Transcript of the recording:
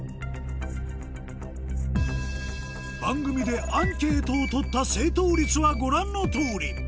番組でアンケートを取った正答率はご覧の通り